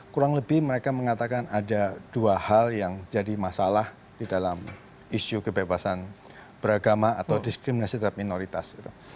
kurang lebih mereka mengatakan ada dua hal yang jadi masalah di dalam isu kebebasan beragama atau diskriminasi terhadap minoritas